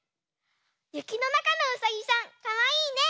ゆきのなかのうさぎさんかわいいね！